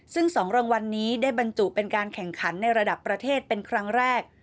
ซึ่ง๒รางวัลนี้ได้บรรจุเป็นการแข่งขันในระดับประเทศเป็นครั้งแรก